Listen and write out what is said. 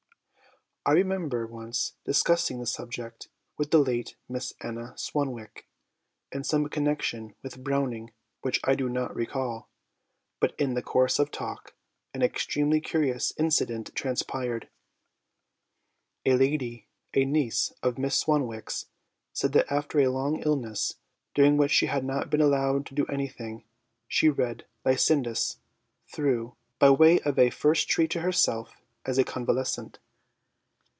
I remember once discussing this subject with the late Miss Anna Swanwick in some connection with Browning which I do not recall, but in the course of talk an extremely curious incident transpired. A lady, a niece of Miss Swanwick's, said that after a long illness, during which she had not been allowed to do anything, she read 'Lycidas' through, by way of a first treat to herself as a convalescent.